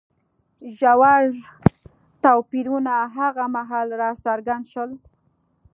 ژور توپیرونه هغه مهال راڅرګند شول